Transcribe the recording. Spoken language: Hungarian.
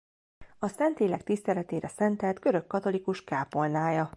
A Szentlélek tiszteletére szentelt görögkatolikus kápolnája.